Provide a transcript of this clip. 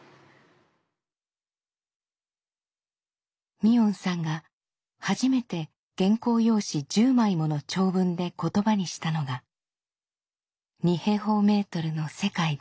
海音さんが初めて原稿用紙１０枚もの長文で言葉にしたのが「二平方メートルの世界で」。